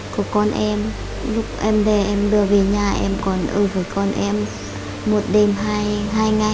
con em lúc em về em đưa về nhà em còn ưu với con em một đêm hai hai ngày